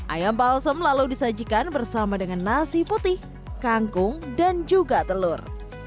ayam balsem lalu disajikan bersama dengan nasi putih kangkung dan juga telur